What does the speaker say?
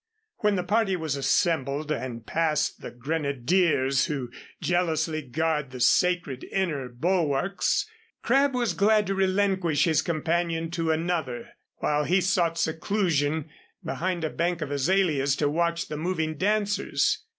When the party was assembled and past the grenadiers who jealously guard the sacred inner bulwarks, Crabb was glad to relinquish his companion to another, while he sought seclusion behind a bank of azaleas to watch the moving dancers.